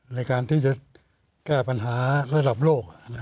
ในการที่จะแก้ปัญหาระดับโลก